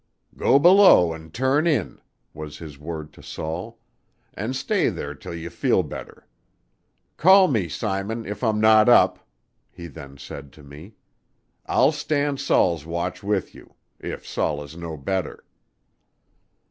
"Go below and turn in," was his word to Saul, "and stay there till you feel better. Call me, Simon, if I'm not up," he then said to me. "I'll stand Saul's watch with you, if Saul is no better."